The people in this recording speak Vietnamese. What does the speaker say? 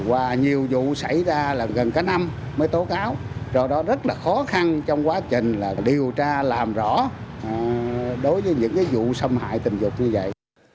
thì qua nhiều vụ xảy ra là gần cả năm mới tố cáo rồi đó rất là khó khăn trong quá trình là điều tra làm rõ đối với những cái vụ xâm hại tình dục như vậy